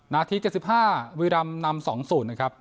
นาทีเจ็ดสิบห้าบุรีรำนำสองศูนย์นะครับ